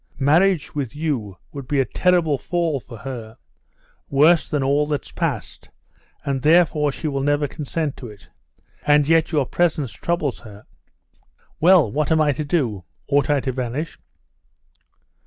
Marriage with you would be a terrible fall for her, worse than all that's past, and therefore she will never consent to it. And yet your presence troubles her." "Well, what am I to do? Ought I to vanish?"